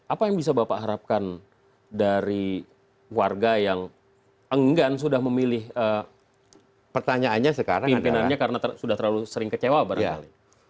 apa yang bisa bapak harapkan dari warga yang enggan sudah memilih pertanyaannya pimpinannya karena sudah terlalu sering kecewa barangkali